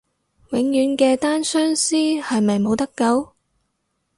永遠嘅單相思係咪冇得救？